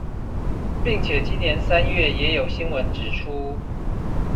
並且今年三月也有新聞指出